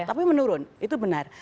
tapi menurun itu benar